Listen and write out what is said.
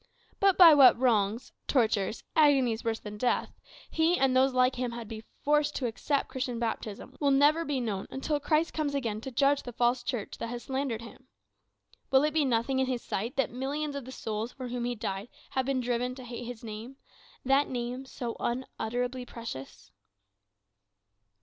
But by what wrongs, tortures, agonies worse than death, he and those like him had been forced to accept Christian baptism, will never be known until Christ comes again to judge the false Church that has slandered him. Will it be nothing in his sight that millions of the souls for whom he died have been driven to hate his Name that Name so unutterably precious?